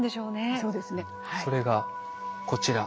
それがこちら。